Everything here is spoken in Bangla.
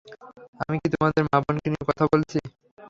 আমি কি তোমাদের মা-বোনকে নিয়ে কথা বলেছি?